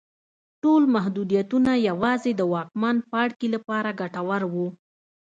ټول محدودیتونه یوازې د واکمن پاړکي لپاره ګټور وو.